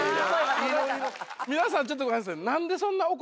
いろいろ皆さんちょっとごめんなさい。